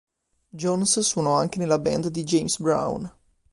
Jones suonò anche nella band di James Brown.